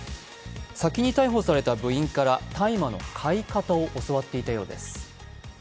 先に逮捕された部員から大麻の買い方を教わっていたようです。